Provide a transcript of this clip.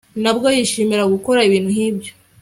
ntabwo yishimira gukora ibintu nkibyo